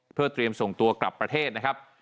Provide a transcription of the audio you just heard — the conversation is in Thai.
เพื่อเตรียมส่งตัวกลับประเทศนะครับ